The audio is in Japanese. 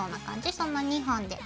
その２本で。